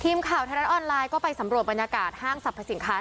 ทีมข่าวไทยรัฐออนไลน์ก็ไปสำรวจบรรยากาศห้างสรรพสินค้า